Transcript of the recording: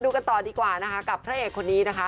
ดูกันต่อดีกว่ากับเฉพาะแห่งคนนี้นะคะ